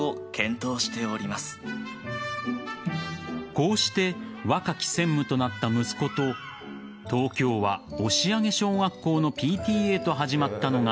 こうして若き専務となった息子と東京は押上小学校のＰＴＡと始まったのが